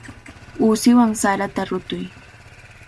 Uusiwan sarata rutuy.